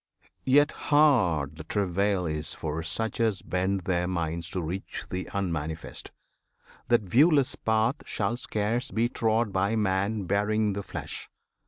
Yet, hard The travail is for such as bend their minds To reach th' Unmanifest That viewless path Shall scarce be trod by man bearing the flesh!